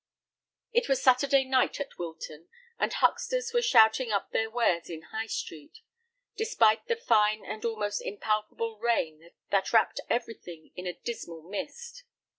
It was Saturday night at Wilton, and hucksters were shouting up their wares in High Street, despite the fine and almost impalpable rain that wrapped everything in a dismal mist.